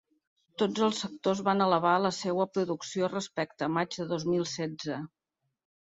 Tots els sectors van elevar la seua producció respecte a maig de dos mil setze.